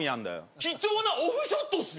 貴重なオフショットっすよ